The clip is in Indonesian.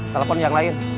telepon yang lain